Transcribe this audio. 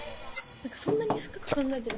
そんなに深く考えて。